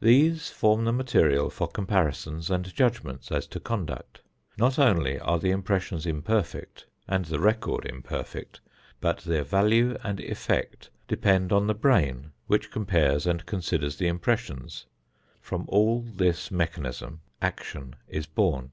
These form the material for comparisons and judgments as to conduct. Not only are the impressions imperfect and the record imperfect, but their value and effect depend on the brain which compares and considers the impressions. From all this mechanism, action is born.